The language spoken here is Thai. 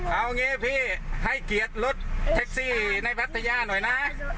เอางี้พี่รุ่นรถเท็คซี่ในพัทยาหน่อยนะ